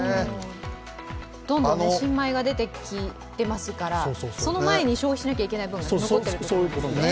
どんどん新米が出てきていますからその前に消費しないといけない分が残ってるということですね。